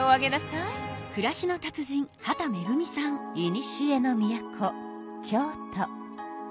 いにしえの都京都。